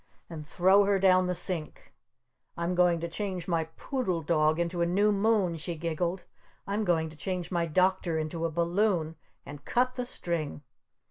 And throw her down the sink! I'm going to change my Poodle Dog into a New Moon!" she giggled. "I'm going to change my Doctor into a Balloon! And cut the string!"